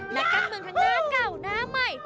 และกลานเมืองทางหน้าเก่าหน้าใหม่